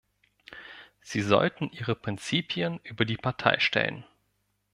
Sie sollten ihre Prinzipien über die Partei stellen.